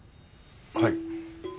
はい。